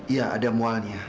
iya ada mualnya